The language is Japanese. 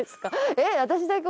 えっ私だけ？